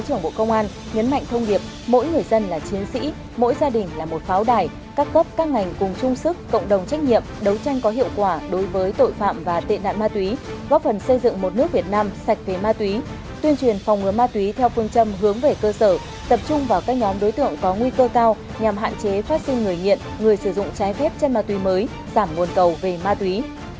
tuyên truyền phòng ngứa ma túy theo phương châm hướng về cơ sở tập trung vào các nhóm đối tượng có nguy cơ cao nhằm hạn chế phát sinh người nghiện người sử dụng trái phép chân ma túy mới giảm nguồn cầu về ma túy